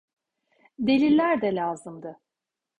Deliller de lazımdı.